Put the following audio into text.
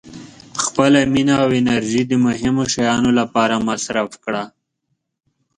• خپله مینه او انرژي د مهمو شیانو لپاره مصرف کړه.